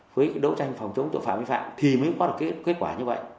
với đấu tranh phòng chống tội phạm vi phạm thì mới có được cái kết quả như vậy